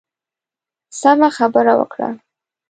سمه خبره وکړه.